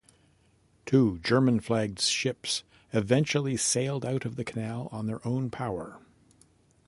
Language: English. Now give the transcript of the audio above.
Two German-flagged ships eventually sailed out of the canal on their own power.